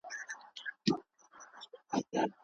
خو وروسته همغه نوې خبره حقیقت ګرځي.